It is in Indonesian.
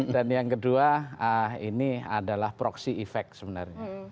dan yang kedua ini adalah proxy effect sebenarnya